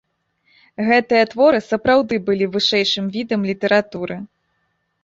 Гэтыя творы сапраўды былі вышэйшым відам літаратуры.